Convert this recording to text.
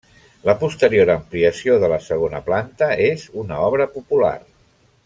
La posterior ampliació de la segona planta és una obra popular.